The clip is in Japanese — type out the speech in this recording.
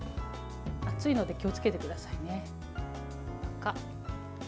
熱いので気をつけてくださいね。